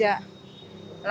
langsung kita jalan jalan